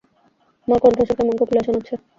আমার কণ্ঠস্বর কেমন কোকিলা শোনাচ্ছে।